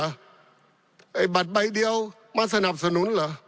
ไอ้บัตรใบเดียวมาสนับสนุนเหรอ